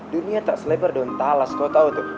dunia tak selebar daun talas kau tau tuh